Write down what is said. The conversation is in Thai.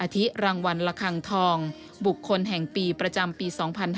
ทิรางวัลระคังทองบุคคลแห่งปีประจำปี๒๕๕๙